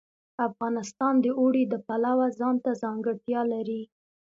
افغانستان د اوړي د پلوه ځانته ځانګړتیا لري.